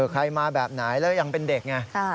ใครมาแบบไหนแล้วยังเป็นเด็กไง